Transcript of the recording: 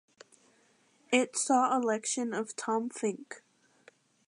It saw election of Tom Fink.